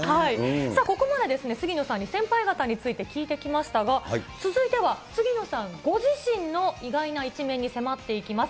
さあここまで、杉野さんに先輩方について聞いてきましたが、続いては、杉野さんご自身の意外な一面に迫っていきます。